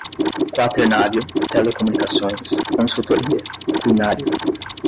quaternário, telecomunicações, consultoria, quinário